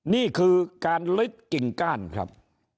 นี่คือการลึกกิ่งก้านครับ